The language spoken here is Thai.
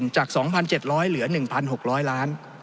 จาก๒๗๐๐เหลือ๑๖๐๐ล้าน